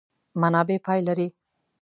منابع پای لري.